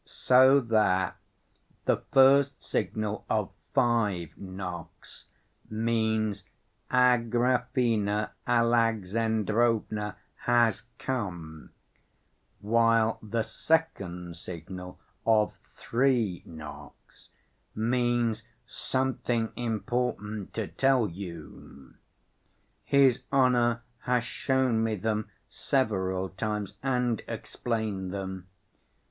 So that the first signal of five knocks means Agrafena Alexandrovna has come, while the second signal of three knocks means 'something important to tell you.' His honor has shown me them several times and explained them.